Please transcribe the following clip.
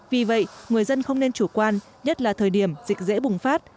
vì vậy người dân không nên chủ quan nhất là thời điểm dịch dễ bùng phát